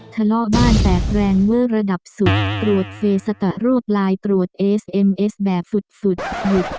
ทะเลาะบ้านแตกแรงเวอร์ระดับสุดตรวจเฟสตะโรคลายตรวจเอสเอ็มเอสแบบสุดหยุด